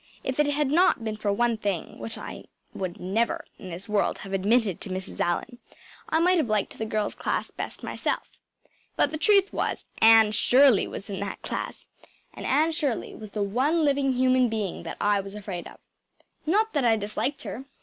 If it had not been for one thing which I would never in this world have admitted to Mrs. Allan I might have liked the girls’ class best myself. But the truth was, Anne Shirley was in that class; and Anne Shirley was the one living human being that I was afraid of. Not that I disliked her.